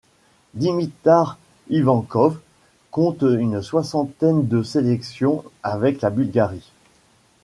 Dimitar Ivankov compte une soixantaine de sélections avec la Bulgarie.